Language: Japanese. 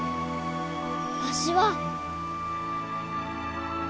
わしは。